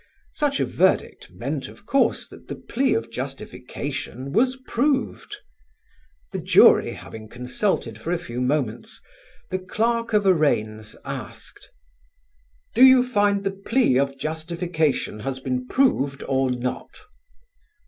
Such a verdict meant of course that the plea of justification was proved. The jury having consulted for a few moments, the Clerk of Arraigns asked: "Do you find the plea of justification has been proved or not?"